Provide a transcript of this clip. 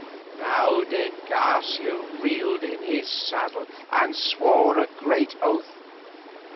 Now de Garcia reeled in his saddle and swore a great oath.